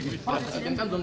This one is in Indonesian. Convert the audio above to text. seperti masa apa yang sudah